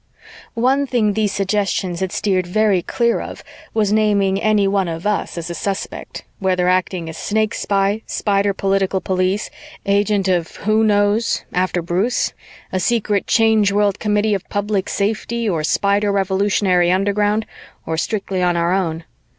One thing these suggestions had steered very clear of was naming any one of us as a suspect, whether acting as Snake spy, Spider political police, agent of who knows, after Bruce? a secret Change World Committee of Public Safety or Spider revolutionary underground, or strictly on our own.